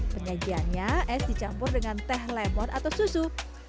penyajiannya es dicampur dengan teh lemon atau susu